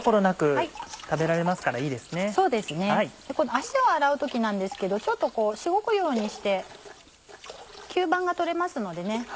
足を洗う時なんですけどちょっとしごくようにして吸盤が取れますのでね